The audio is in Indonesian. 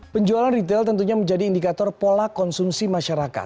penjualan retail tentunya menjadi indikator pola konsumsi masyarakat